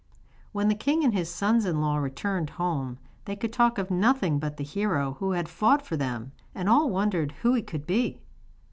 When the king and his sons in law returned home they could talk of nothing but the hero who had fought for them, and all wondered who he could be.